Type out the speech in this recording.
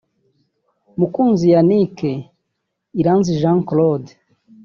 Mukunzi Yannick; Iranzi Jean Claude